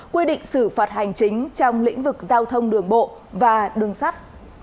quy định xử phạt hành chính trong lĩnh vực giao thông đường bộ và đường sắt